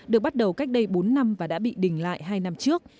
được bắt đầu cách đây bốn năm và đã bị đình lại hai năm trước